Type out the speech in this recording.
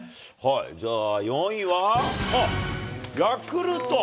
じゃあ、４位はヤクルト。